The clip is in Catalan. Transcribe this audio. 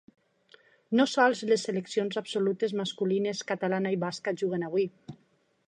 No sols les seleccions absolutes masculines catalana i basca juguen avui.